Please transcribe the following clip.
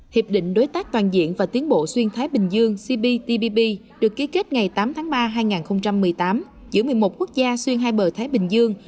hiệp định đối tác toàn diện và tiến bộ xuyên thái bình dương cptpp được ký kết ngày tám tháng ba hai nghìn một mươi tám giữa một mươi một quốc gia xuyên hai bờ thái bình dương